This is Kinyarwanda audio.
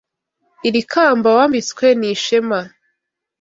Iri kamba wambitswe ni ishema